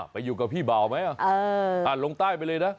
ไปอยู่กับพี่บ่าวไหมลงใต้ไปเลยนะ